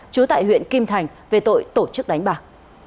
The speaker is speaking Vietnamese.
trú tại huyện kim thành về tội tổ chức đánh bạc